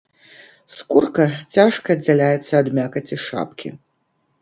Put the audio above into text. Скурка цяжка аддзяляецца ад мякаці шапкі.